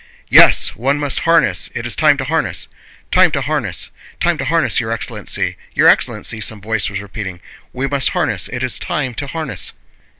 "Yes, one must harness, it is time to harness." "Time to harness, time to harness, your excellency! Your excellency!" some voice was repeating. "We must harness, it is time to harness...."